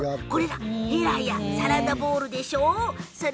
へらやサラダボウルでしょ